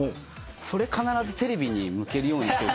それ必ずテレビに向けるようにしてる。